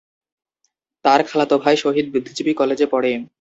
তার খালাতো ভাই শহীদ বুদ্ধিজীবী কলেজে পড়ে।